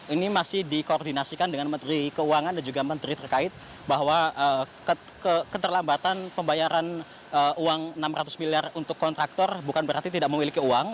ini masih dikoordinasikan dengan menteri keuangan dan juga menteri terkait bahwa keterlambatan pembayaran uang enam ratus miliar untuk kontraktor bukan berarti tidak memiliki uang